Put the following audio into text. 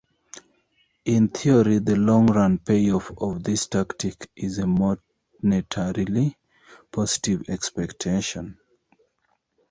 In theory, the long-run payoff of this tactic is a monetarily positive expectation.